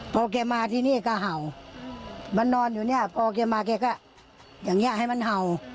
พอแกมาที่นี่ก็เห่ามันนอนอยู่เนี่ยพอแกมาแกก็อย่างนี้ให้มันเห่า